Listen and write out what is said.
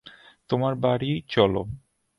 তোমার বাড়ি চলো।